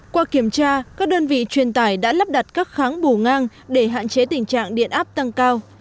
qua kiểm tra các đơn vị truyền tải đã lắp đặt các kháng bù ngang để hạn chế tình trạng điện áp tăng cao